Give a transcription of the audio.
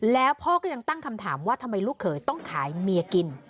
แล้วพ่อก็ยังตั้งคำถามว่าทำไมลูกเขยต้องขายเมียกิน